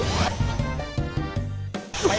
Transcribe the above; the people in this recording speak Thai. กลับแก้ม